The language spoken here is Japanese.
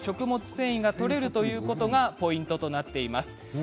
繊維がとれるのがポイントとなっています。